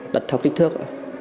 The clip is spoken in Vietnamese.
bật theo kích thước